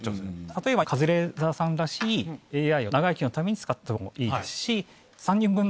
例えばカズレーザーさんらしいＡＩを長生きのために使ってもいいですし。